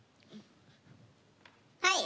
はい！